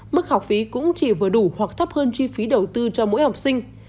mức học phí cũng chỉ vừa đủ hoặc thấp hơn chi phí đầu tư cho mỗi học sinh